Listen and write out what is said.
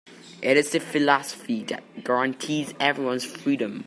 It's the philosophy that guarantees everyone's freedom.